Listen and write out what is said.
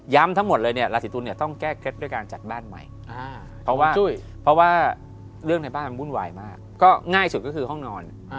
ทั้งหมดเลยเนี่ยราศีตุลเนี่ยต้องแก้เคล็ดด้วยการจัดบ้านใหม่เพราะว่าจุ้ยเพราะว่าเรื่องในบ้านมันวุ่นวายมากก็ง่ายสุดก็คือห้องนอน